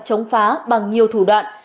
chống phá bằng nhiều thủ đoạn